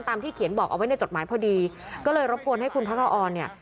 ที่เขียนบอกเอาไว้ในจดหมายพอดีก็เลยรบกวนให้คุณพระกะออนเนี่ย